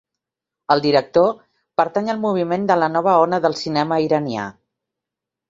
El director pertany al moviment de la nova ona del cinema iranià..